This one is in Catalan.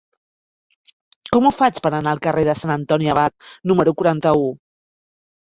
Com ho faig per anar al carrer de Sant Antoni Abat número quaranta-u?